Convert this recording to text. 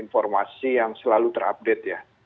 dan informasi yang selalu terupdate ya